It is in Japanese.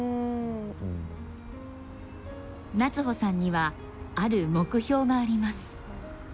夏帆さんにはある目標があります。